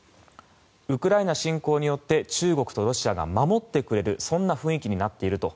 ウクライナ侵攻によって中国とロシアが守ってくれるそんな雰囲気になっていると。